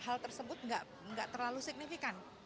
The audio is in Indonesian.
hal tersebut tidak terlalu signifikan